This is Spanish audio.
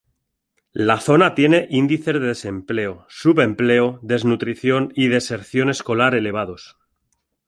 La zona tiene índices de desempleo, subempleo, desnutrición y deserción escolar elevados.